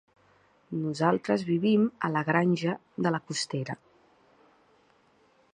Nosaltres vivim a la Granja de la Costera.